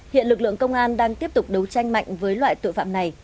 hiện lực lượng công an đang tiếp tục đấu tranh mạnh với loại tội phạm này